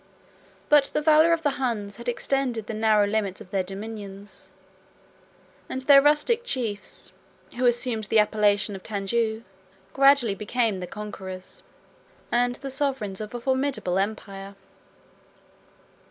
28 But the valor of the Huns had extended the narrow limits of their dominions; and their rustic chiefs, who assumed the appellation of Tanjou, gradually became the conquerors, and the sovereigns of a formidable empire.